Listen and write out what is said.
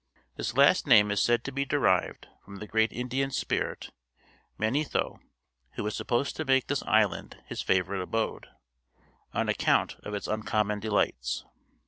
This last name is said to be derived from the great Indian spirit Manetho, who was supposed to make this island his favorite abode, on account of its uncommon delights.